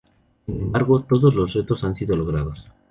Sin embargo, todos los retos han sido logrados.